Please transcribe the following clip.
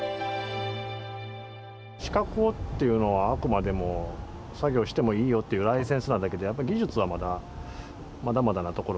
資格っていうのはあくまでも作業してもいいよっていうライセンスなだけで技術はまだまだまだなところがありますので。